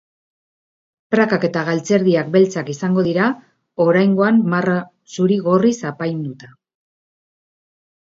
Prakak eta galtzerdiak beltzak izango dira, oraingoan, marra zuri-gorriz apainduta.